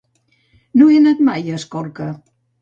No he anat mai a Escorca.